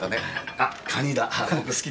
あっカニだ。